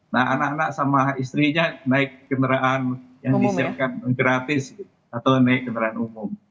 nah anak anak sama istrinya naik kendaraan yang disiapkan gratis atau naik kendaraan umum